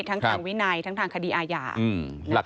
ทั้งทางวินัยทั้งทางคดีอาญา